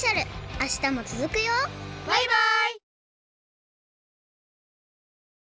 あしたもつづくよバイバイ！